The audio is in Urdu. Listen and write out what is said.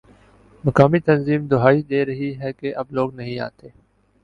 مقامی تنظیم دہائی دے رہی ہے کہ اب لوگ نہیں آتے